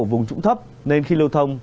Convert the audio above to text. vùng trũng thấp nên khi lưu thông